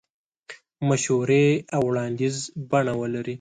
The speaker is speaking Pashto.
مشورې او وړاندیز بڼه ولري.